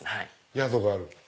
宿がある！